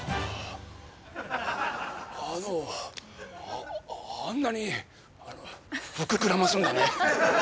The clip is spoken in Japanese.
あのあんなに膨らますんだね。